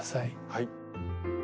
はい。